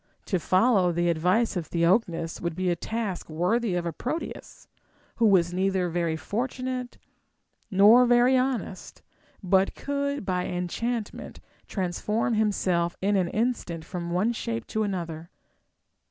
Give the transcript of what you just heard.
To follow the advice of Theognis Avould be a task worthy of a Proteus, who was neither very fortunate nor very honest, but could by enchantment transform himself in an instant from one shape to another.